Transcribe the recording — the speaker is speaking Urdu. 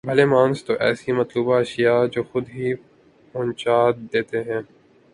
بھلے مانس تو ایسی مطلوبہ اشیاء خود ہی پہنچا دیتے ہیں۔